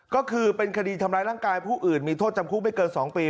ก็คือเป็นคดีทำร้ายร่างกายผู้อื่นมีโทษจำคุกไม่เกิน๒ปี